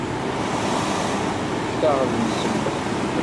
Fekt-aɣ lemsemmen.